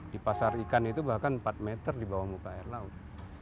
di pasar ikan itu bahkan empat meter di bawah muka air laut